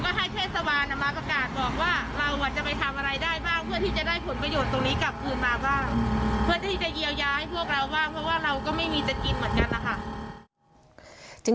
เพื่อที่จะเยียวยาให้พวกเราบ้างเพราะว่าเราก็ไม่มีจะกินเหมือนกันนะคะ